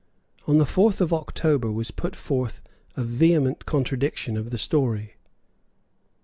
On the fourth of October was put forth a vehement contradiction of the story.